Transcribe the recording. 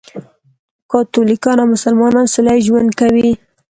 کاتولیکان او مسلمانان سولهییز ژوند کوي.